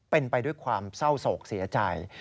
เป็นไปด้วยความเศร้าโศกเสียใจ